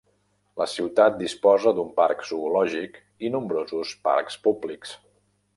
La ciutat disposa d'un parc zoològic i nombrosos parcs públics.